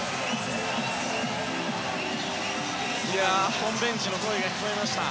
日本ベンチの声が聞こえました。